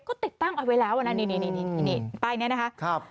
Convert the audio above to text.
ก็ติดตั้งเอาไว้แล้วนะนี่ป้ายนี้นะคะ